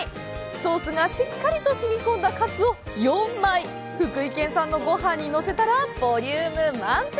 ソースがしっかりとしみこんだカツを４枚福井県産のごはんにのせたらボリューム満点！